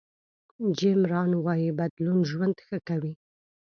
جیم ران وایي بدلون ژوند ښه کوي.